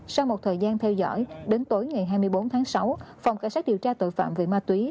sau một thời gian theo dõi đến tối ngày hai mươi bốn tháng sáu phòng cảnh sát điều tra tội phạm về ma túy